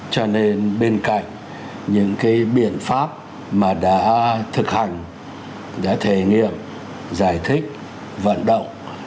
cho nên bên cạnh những cái biện pháp mà đã thực hành đã thể nghiệm giải thích vận động